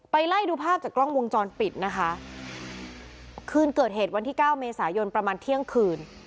ไล่ดูภาพจากกล้องวงจรปิดนะคะคืนเกิดเหตุวันที่เก้าเมษายนประมาณเที่ยงคืน